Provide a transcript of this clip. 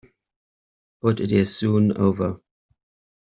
But it is soon over.